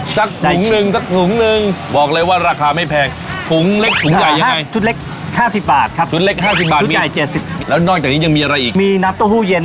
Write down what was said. สักถุงหนึ่งสักถุงหนึ่ง